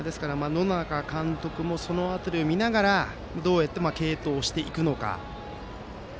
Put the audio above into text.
野仲監督もその辺りを見ながらどうやって継投していくのか。